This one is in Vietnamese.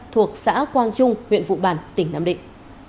thuộc xã quang trung huyện vụ bản tỉnh nam định